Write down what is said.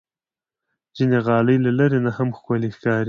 ځینې غالۍ له لرې نه هم ښکلي ښکاري.